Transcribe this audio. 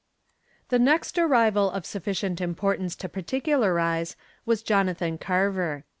The next arrival of sufficient importance to particularize was Jonathan Carver.